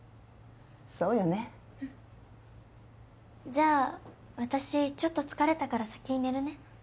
じゃあ私ちょっと疲れたから先に寝るね。